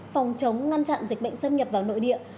phòng chống ngăn chặn dịch bệnh xâm nhập vào nội địa